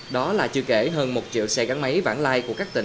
đó là chưa kể hơn một triệu xe gắn máy vãn lai